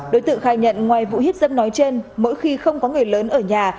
đối tượng khai nhận ngoài vụ hiếp dâm nói trên mỗi khi không có người lớn ở nhà